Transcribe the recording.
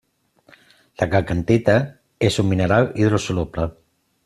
La calcantita és un mineral hidrosoluble.